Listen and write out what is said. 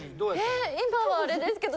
えっ今はあれですけど。